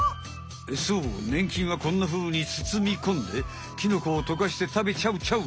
そうねん菌はこんなふうにつつみこんでキノコをとかして食べちゃうちゃう！